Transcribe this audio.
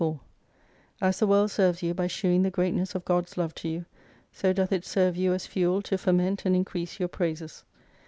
94 As the world serves you by shewing the greatness of God's love to you, so doth it serve you as fuel to foment and increase your praises.